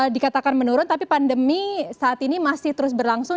dikatakan menurun tapi pandemi saat ini masih terus berlangsung